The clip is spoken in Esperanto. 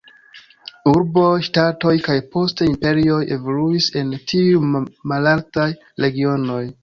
Urboj, ŝtatoj kaj poste imperioj evoluis en tiuj malaltaj regionoj.